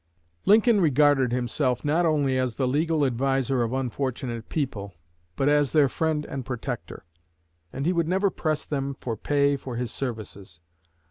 Lincoln regarded himself not only as the legal adviser of unfortunate people, but as their friend and protector; and he would never press them for pay for his services.